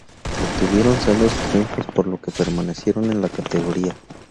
Obtuvieron sendos triunfos por lo que permanecieron en la categoría.